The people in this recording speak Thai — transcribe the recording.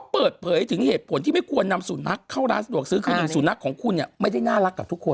เปิดเผยถึงเหตุผลที่ไม่ควรนำสุนัขเข้าร้านสะดวกซื้อคือหนึ่งสุนัขของคุณเนี่ยไม่ได้น่ารักกับทุกคน